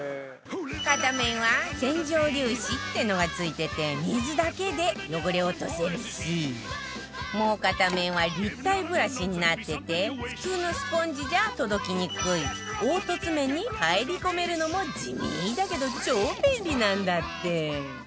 片面は洗浄粒子ってのが付いてて水だけで汚れを落とせるしもう片面は立体ブラシになってて普通のスポンジじゃ届きにくい凹凸面に入り込めるのも地味だけど超便利なんだって